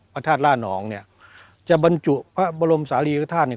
พระธาตุล่านองเนี่ยจะบรรจุพระบรมศาลีรุธาตุเนี่ย